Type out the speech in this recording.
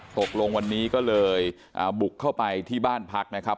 ตกลงวันนี้ก็เลยบุกเข้าไปที่บ้านพักนะครับ